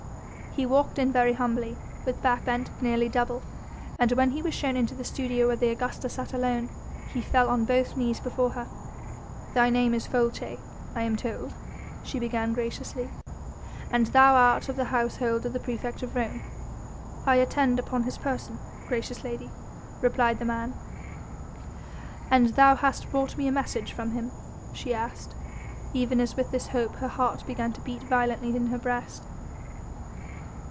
He walked in very humbly, with back bent nearly double, and when he was shown into the studio where the Augusta sat alone he fell on both knees before her. "Thy name is Folces, I am told," she began graciously, "and thou art of the household of the praefect of Rome?" "I attend upon his person, gracious lady," replied the man. "And thou hast brought me a message from him?" she asked, even as with this hope her heart began to beat violently in her breast.